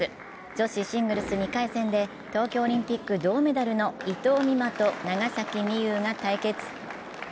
女子シングルス２回戦で東京オリンピック銅メダルの伊藤美誠と長崎美柚が対決。